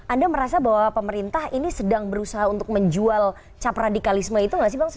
anda merasa bahwa pemerintah ini sedang berusaha untuk menjual cap radikalisme itu nggak sih bang